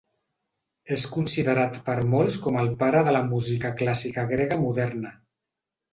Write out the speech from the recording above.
És considerat per molts com el pare de la música clàssica grega moderna.